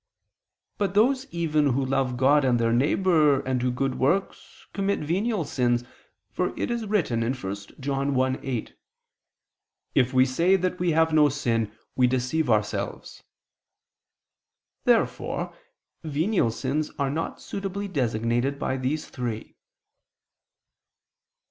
But those even who love God and their neighbor, and do good works, commit venial sins: for it is written (1 John 1:8): "If we say that we have no sin, we deceive ourselves." Therefore venial sins are not suitably designated by these three.